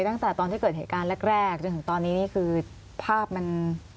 ตั้งแต่ตอนที่เกิดเหตุการณ์แรกจนถึงตอนนี้นี่คือภาพมัน